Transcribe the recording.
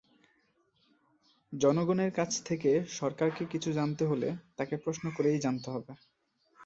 জনগণের কাছ থেকে সরকারকে কিছু জানতে হলে তাঁকে প্রশ্ন করেই জানতে হবে।